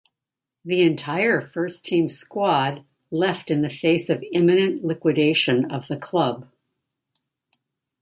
The entire first-team squad left in the face of imminent liquidation of the club.